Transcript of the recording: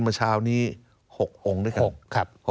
เมื่อเช้านี้๖องค์ด้วยกัน